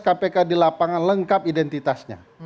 mereka dilapangan lengkap identitasnya